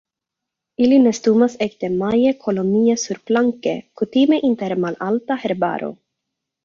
Ili nestumas ekde maje kolonie surplanke, kutime inter malalta herbaro.